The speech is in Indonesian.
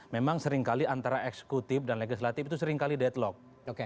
memang seringkali antara eksekutif dan legislatif itu seringkali deadlock